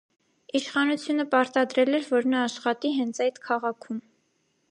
Իշխանությունը պարտադրել էր, որ նա աշխատի հենց այդ քաղաքում։